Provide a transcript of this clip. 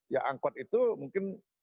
ya angkut itu mungkin